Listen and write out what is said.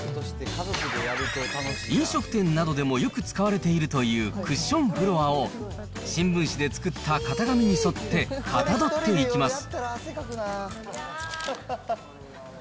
飲食店などでもよく使われているというクッションフロアを、新聞紙で作った型紙に沿ってかたどっていきます。